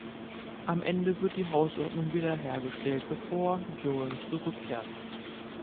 Am Ende wird die Hausordnung wieder hergestellt, bevor Joan zurückkehrt.